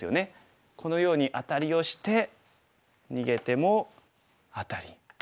このようにアタリをして逃げてもアタリ。